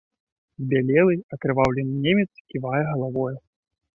Збялелы, акрываўлены немец ківае галавою.